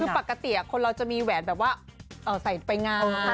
คือปกติคนเราจะมีแหวนแบบว่าใส่ไปงาม